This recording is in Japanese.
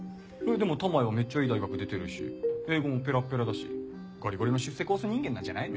でも田前はめっちゃいい大学出てるし英語もペラペラだしゴリゴリの出世コース人間なんじゃないの？